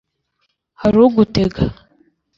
hari ugutega